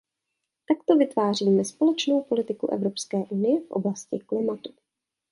Takto vytváříme společnou politiku Evropské unie v oblasti klimatu.